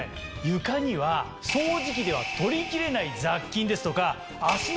床には掃除機では取りきれない雑菌ですとか。